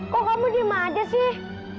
kok kamu diem aja sih